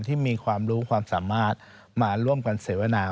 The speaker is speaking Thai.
ที่มีความรู้ความสามารถมาร่วมกันเสวนา